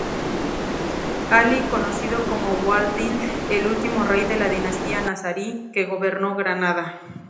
ʿAlī, conocido como Boabdil, el último rey de la dinastía nazarí que gobernó Granada.